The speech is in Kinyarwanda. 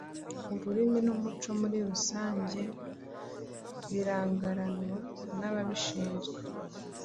ururimi n’umuco muri rusanjye birangaranwa n’abashinzwe